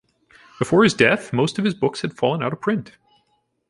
Before his death, most of his books had fallen out of print.